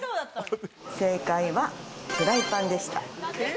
正解はフライパンでした。